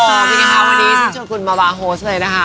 วันนี้ช่วยคุณมาบาร์โฮสเลยนะคะ